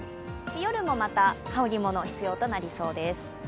夜もまた、羽織り物が必要になりそうです。